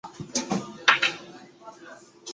其他工作包括穿着卡通毛娃娃服扮演卡通人物。